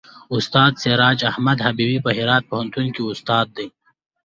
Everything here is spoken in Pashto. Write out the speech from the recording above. استاد سراج احمد حبیبي په هرات پوهنتون کې استاد دی.